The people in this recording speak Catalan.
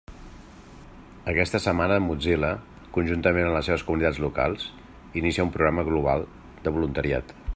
Aquesta setmana Mozilla, conjuntament amb les seves comunitats locals, inicia un programa global de voluntariat.